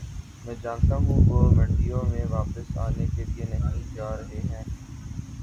میں جانتا ہوں وہ منڈیوں میں واپس آنے کے لیے نہیں جا رہے ہیں